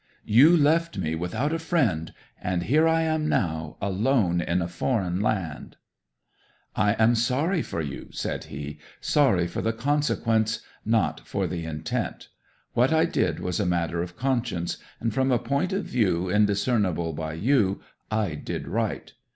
'"You left me without a friend, and here I am now, alone in a foreign land." '"I am sorry for you," said be. "Sorry for the consequence, not for the intent. What I did was a matter of conscience, and, from a point of view indiscernible by you, I did right.